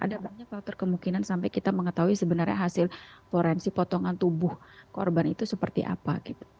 ada banyak faktor kemungkinan sampai kita mengetahui sebenarnya hasil forensik potongan tubuh korban itu seperti apa